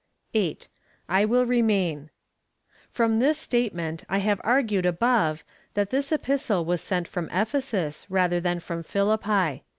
erit. 8. / will remain. From this statement I have argued above,^ that this epistle was sent from Ephesus, rather than from Philippi.